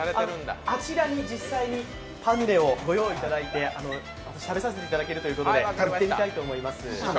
あちらに実際にパヌレをご用意いただいて食べさせていただけるということで行ってみたいと思います。